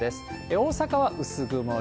大阪は薄曇り。